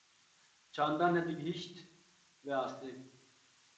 çanda nedigîhîşt vê astê.